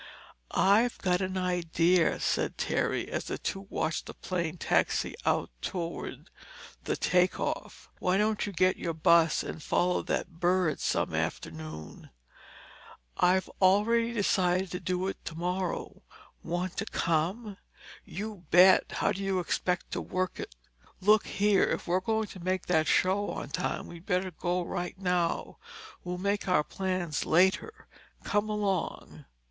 "I've got an idea," said Terry as the two watched the plane taxi out toward the takeoff. "Why don't you get your bus and follow that bird some afternoon?" "I'd already decided to do it tomorrow. Want to come?" "You bet! How do you expect to work it?" "Look here, if we're going to make that show on time, we'd better go right now. We'll make our plans later. Come along."